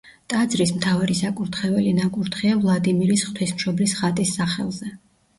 ტაძრის მთავარი საკურთხეველი ნაკურთხია ვლადიმირის ღვთისმშობლის ხატის სახელზე.